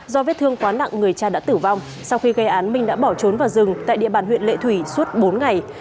do vết thương quá nặng người cha đã tử vong sau khi gây án minh đã bỏ trốn vào rừng tại địa bàn huyện lệ thủy suốt bốn ngày